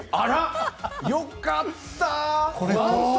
あら、よかった！